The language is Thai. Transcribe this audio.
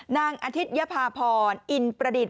นางอธิยภาพรอินประดิษฐ